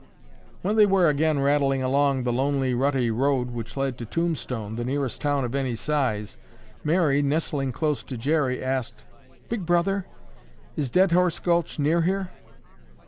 When they were again rattling along the lonely, rutty road which led to Tombstone, the nearest town of any size, Mary, nestling close to Jerry, asked, "Big Brother, is Dead Horse Gulch near here?"